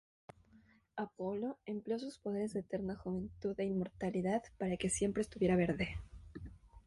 Apolo empleó sus poderes de eterna juventud e inmortalidad para que siempre estuviera verde.